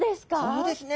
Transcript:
そうですね。